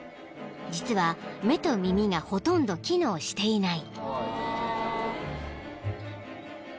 ［実は目と耳がほとんど機能していない］